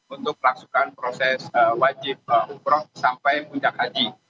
untuk melaksukan proses wajib umroh sampai puncak haji